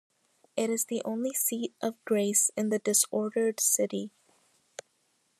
It is the only seat of grace in the disordered city.